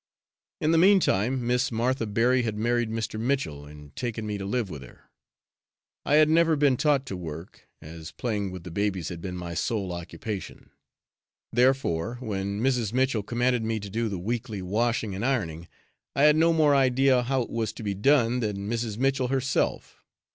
In the meanwhile, Miss Martha Berry had married Mr. Mitchell and taken me to live with her. I had never been taught to work, as playing with the babies had been my sole occupation; therefore, when Mrs. Mitchell commanded me to do the weekly washing and ironing, I had no more idea how it was to be done than Mrs. Mitchell herself.